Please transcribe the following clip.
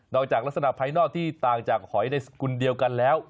จากลักษณะภายนอกที่ต่างจากหอยในสกุลเดียวกันแล้ว